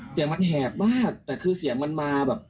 เสียงมันแหบมากแต่คือเสียงมันมาแบบ